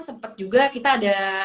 sempet juga kita ada